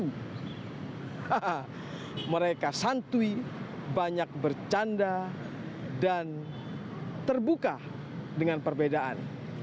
hahaha mereka santui banyak bercanda dan terbuka dengan perbedaan